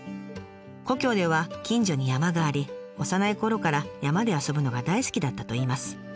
故郷では近所に山があり幼いころから山で遊ぶのが大好きだったといいます。